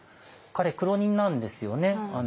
彼苦労人なんですよね。